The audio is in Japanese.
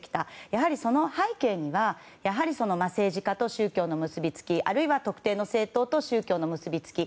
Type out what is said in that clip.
やはり、その背景には政治家と宗教の結びつきあるいは特定の政党と宗教の結びつき